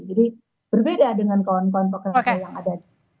jadi berbeda dengan kontrak kontrak yang ada